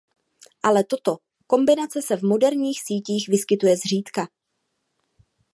Ale toto kombinace se v moderních sítích vyskytuje zřídka.